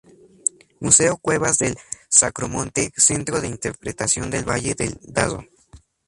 Museo Cuevas del sacromonte, Centro de Interpretación del Valle del Darro.